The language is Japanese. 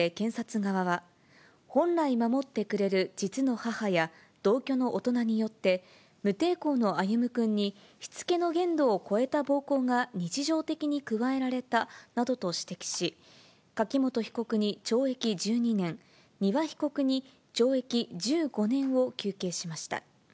きのうの裁判で検察側は、本来守ってくれる実の母や同居の大人によって、無抵抗の歩夢くんにしつけの限度を超えた暴行が日常的に加えられたなどと指摘し、柿本被告に懲役１２年、丹羽被告に懲役１５年を求刑しました。